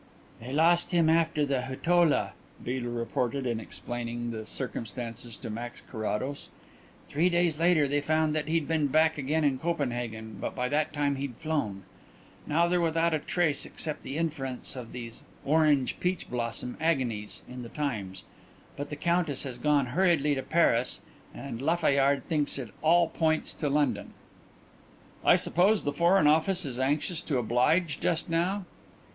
"They lost him after the Hutola," Beedel reported, in explaining the circumstances to Max Carrados. "Three days later they found that he'd been back again in Copenhagen but by that time he'd flown. Now they're without a trace except the inference of these 'Orange peach blossom' agonies in The Times. But the Countess has gone hurriedly to Paris; and Lafayard thinks it all points to London." "I suppose the Foreign Office is anxious to oblige just now?"